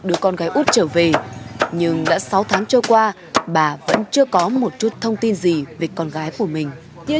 út trở về nhưng đã sáu tháng trôi qua bà vẫn chưa có một chút thông tin gì về con gái của mình